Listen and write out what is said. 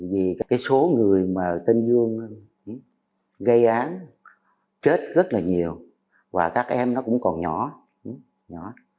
vì cái số người mà tên dương gây án chết rất là nhiều và các em nó cũng còn nhỏ nhỏ